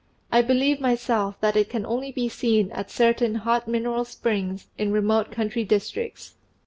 I believe myself that it can only be seen at certain hot mineral springs in remote country districts.